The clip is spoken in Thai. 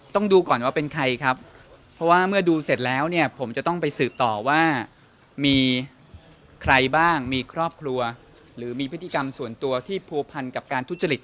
ต้องดูก่อนว่าเป็นใครครับเพราะว่าเมื่อดูเสร็จแล้วเนี่ยผมจะต้องไปสืบต่อว่ามีใครบ้างมีครอบครัวหรือมีพฤติกรรมส่วนตัวที่ผัวพันกับการทุจริต